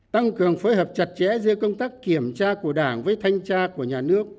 tăng cường phối hợp chặt chẽ giữa công tác kiểm tra của đảng với thanh tra của nhà nước